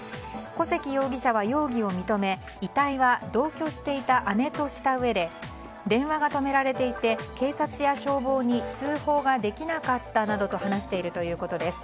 小関容疑者は容疑を認め遺体は同居していた姉としたうえで電話が止められていて警察や消防に通報ができなかったなどと話しているということです。